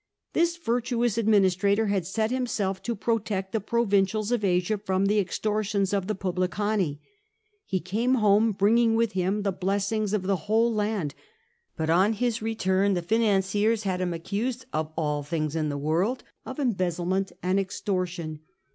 This virtuous administrator had set himself to protect the provincials of Asia from the extortions of the puUicani. He came home bringing with him the blessings of the whole land ; but on his return the financiers had him accused (of all things in the world) of embezsslement and extortion.